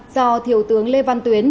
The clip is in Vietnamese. do thiếu tướng lê văn tuyến